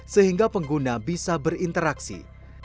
sehingga penggunaan teknologi yang berkualitas dan berkualitas yang berkualitas